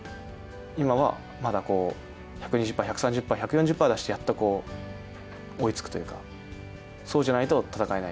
今はまだ１２０パー、１３０パー、１４０パー出してやっと追いつくというか、そうじゃないと戦えない。